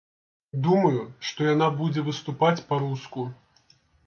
Думаю, што яна будзе выступаць па-руску.